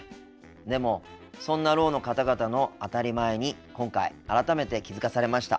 でもそんなろうの方々の当たり前に今回改めて気付かされました。